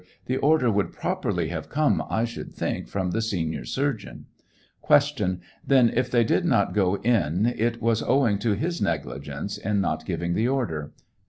The order would pioperly have come, 1 should think, from the senior surgeon. Q. Then if they did not go in it was owing to his negligence in not giving the order?